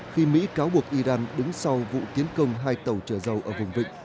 khi mỹ cáo buộc iran đứng sau vụ tiến công hai tàu trở dầu ở vùng vịnh